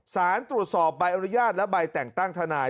สารตรวจสอบใบอนุญาตและใบแต่งตั้งทนาย